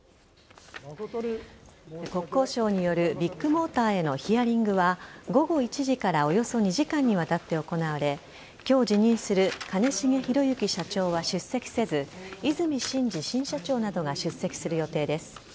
国交省によるビッグモーターへのヒアリングは午後１時からおよそ２時間にわたって行われ今日辞任する兼重宏行社長は出席せず和泉伸二新社長などが出席する予定です。